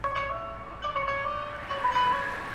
باور په تکرار او تمرین سره پیدا کېږي.